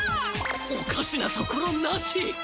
おかしなところなし！